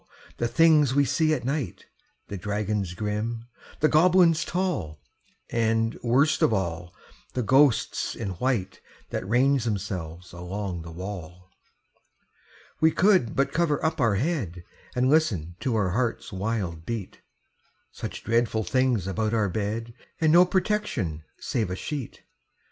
the things we see at night The dragons grim, the goblins tall, And, worst of all, the ghosts in white That range themselves along the wall! We could but cover up our head, And listen to our heart's wild beat Such dreadful things about our bed, And no protection save a sheet!